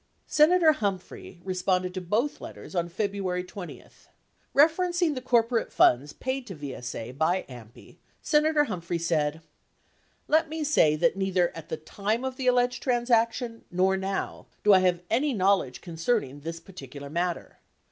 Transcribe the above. Senator Humphrey responded to both letters on Febru ary 20. Eeferencing the corporate funds paid to VSA by AMPI, Sena tor Humphrey said : Let me say that neither at the time of the alleged transaction nor now do I have any knowledge concerning this particular matter.